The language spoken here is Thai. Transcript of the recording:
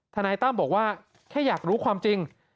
นายตั้มบอกว่าแค่อยากรู้ความจริง